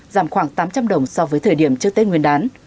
giảm khoảng tám trăm linh đồng so với thời điểm trước tết nguyên đán